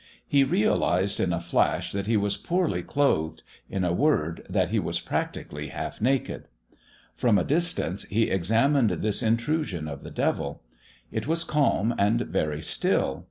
He realised in a flash that he was poorly clothed in a word, that he was practically half naked. From a distance he examined this intrusion of the devil. It was calm and very still.